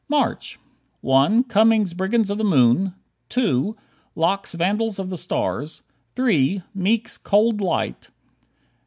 March: 1 Cummings' "Brigands of the Moon"; 2 Locke's "Vandals of the Stars"; 3 Meek's "Cold Light."